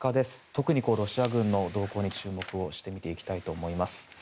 特にロシア軍の動向に注目をして見ていきたいと思います。